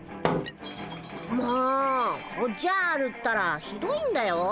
もうおっじゃるったらひどいんだよ。